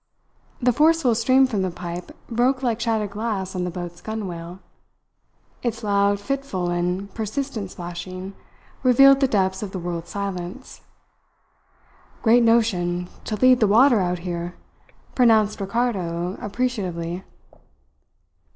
The forceful stream from the pipe broke like shattered glass on the boat's gunwale. Its loud, fitful, and persistent splashing revealed the depths of the world's silence. "Great notion, to lead the water out here," pronounced Ricardo appreciatively.